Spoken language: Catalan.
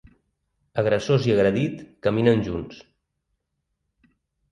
Agressors i agredit caminen junts.